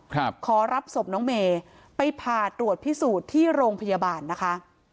ขอรับศพน้องเมย์ไปผ่าตรวจพิสูจน์ที่โรงพยาบาลนะคะ